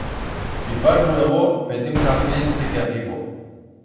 Si fas luego, fe-te un café entre que arribo.